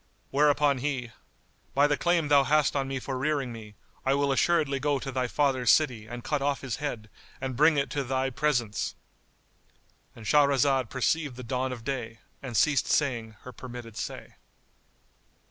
Whereupon he, "By the claim thou hast on me for rearing me, I will assuredly go to thy father's city and cut off his head and bring it into thy presence!"——And Shahrazad perceived the dawn of day and ceased saying her permitted say.